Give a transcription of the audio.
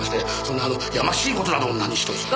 そんなあのやましい事など何ひとつ。